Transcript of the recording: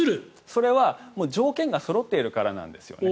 それは条件がそろっているからなんですよね。